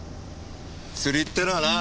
釣りってのはな